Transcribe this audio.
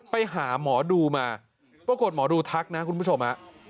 ไปหาหมอดูมาปรากฏหมอดูทักนะคุณผู้ชมฮะ